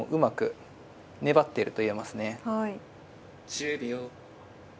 １０秒。